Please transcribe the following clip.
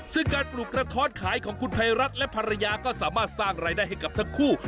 ซึ่งการปลูกกระท้อนขายของคุณภัยรัฐและภรรยาก็สามารถสร้างรายได้ให้กับทั้งคู่